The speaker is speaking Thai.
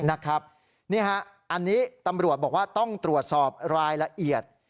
นี่ฮะอันนี้ตำรวจบอกว่าต้องตรวจสอบรายละเอียด